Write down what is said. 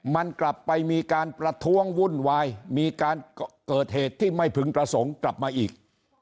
มันกลับไปมีการประท้วงวุ่นวายมีการเกิดเหตุที่ไม่พึงประสงค์กลับมาอีก